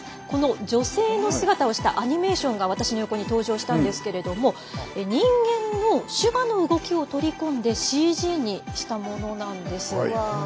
この女性の姿をしたアニメーションが私の横に登場したんですけども人間の手話の動きを取り込んでＣＧにしたものなんです。